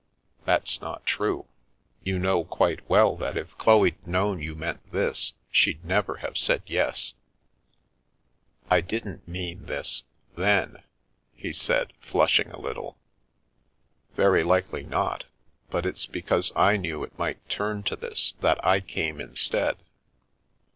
" That's not true ! You know quite well that if The Milky Way Chloe'd known you meant this— she'd never have said yes." " I didn't mean this — then," he said, flushing a little. " Very likely not, but it's because I knew it might turn to this that I came instead."